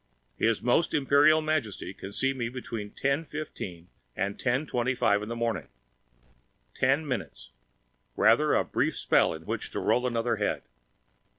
His Most Imperial Majesty can see me between 10:15 and 10:25 on that morning. Ten minutes rather a brief spell in which to roll another head.